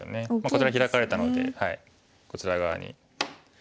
こちらヒラかれたのでこちら側にヒラいて。